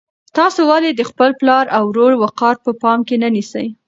تاسو ولې د خپل پلار او ورور وقار په پام کې نه نیسئ؟